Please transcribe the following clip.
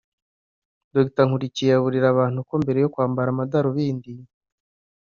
Dr Nkurikiye aburira abantu ko mbere yo kwambara amadarubindi